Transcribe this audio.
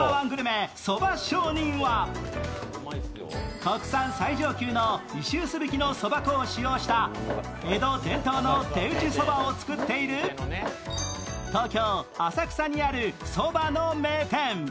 国産最上級の石臼びきのそば粉を使用した江戸伝統の手打ち蕎麦を作っている東京・浅草にあるそばの名店。